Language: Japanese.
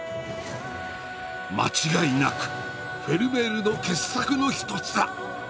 「間違いなくフェルメールの傑作の一つだ」。